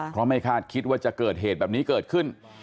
เพราะไม่คาดคิดว่าจะเกิดเหตุแบบนี้เกิดขึ้น